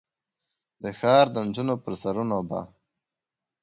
د ښار د نجونو پر سرونو به ،